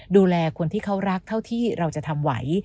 ดูแลคนที่เขารักเท่าที่เราจะทำไหว